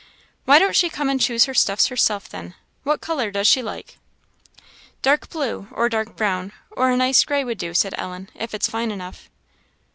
"Why don't she come and choose her stuffs herself, then? What colour does she like?" "Dark blue, or dark brown, or a nice gray would do," said Ellen, "if it is fine enough."